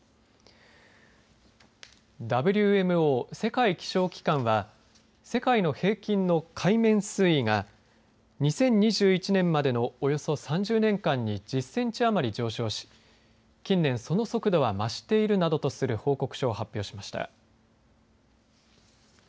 ＷＭＯ、世界気象機関は世界の平均の海面水位が２０２１年までのおよそ３０年間に１０センチ余り上昇し近年、その速度は増しているなどとする報告書を発表しました。